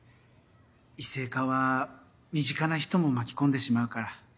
異性化は身近な人も巻き込んでしまうから。